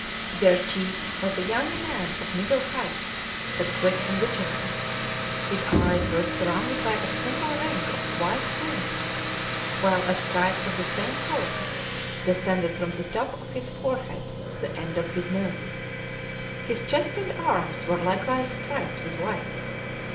Their chief was a young man of middle height, but quick and vigilant; his eyes were surrounded by a single ring of white paint, while a stripe of the same colour descended from the top of his forehead to the end of his nose; his chest and arms were likewise striped with white.